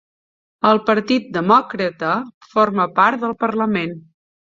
El Partit Demòcrata forma part del parlament